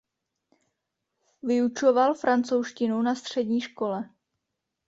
Vyučoval francouzštinu na střední škole.